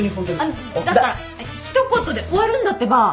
あのだから一言で終わるんだってば。